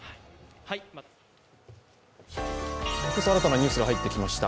今朝新たなニュースが入ってきました。